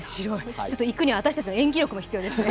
ちょっと行くには私たちの演技力も必要ですね。